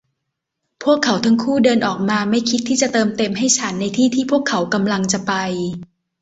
พวกเขาทั้งคู่เดินออกมาไม่คิดที่จะเติมเต็มให้ฉันในที่ที่พวกเขากำลังจะไป